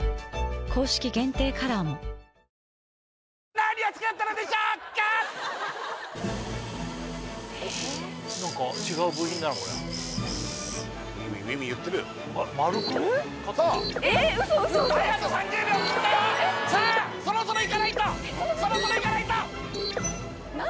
何を作ってるんでしょうかええっ何か違う部品だなこれはウィンウィンいってる丸くカットウソウソウソあと３０秒切ったよさあそろそろいかないとそろそろいかないと何？